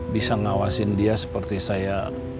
bisa ngawasin dia seperti saya